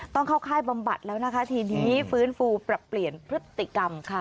ต้องเข้าค่ายบำบัดแล้วนะคะทีนี้ฟื้นฟูปรับเปลี่ยนพฤติกรรมค่ะ